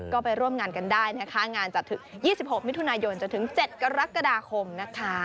ก็ไปร่วมงานกันได้นะคะงานจัดถึง๒๖มิถุนายนจนถึง๗กรกฎาคมนะคะ